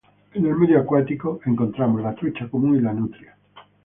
En el medio acuático encontramos la trucha común y la nutria.